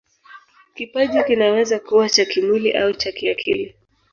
Kipaji kinaweza kuwa cha kimwili au cha kiakili.